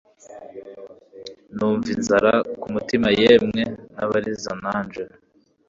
numva inzara ku mutima yemwe ntabariza nanje